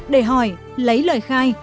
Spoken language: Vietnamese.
để hỏi lấy lời khai